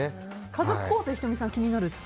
家族構成、仁美さん気になるって。